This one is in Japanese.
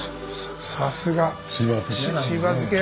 さすが！